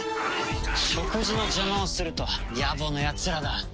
食事の邪魔をするとはやぼなやつらだ。